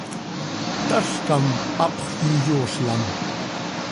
tazcam, hapxöl iyoozlam.